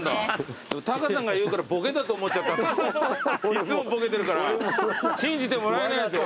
いっつもボケてるから信じてもらえないんですよ。